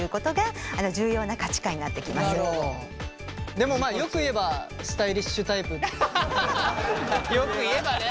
でもまあよく言えばよく言えばね。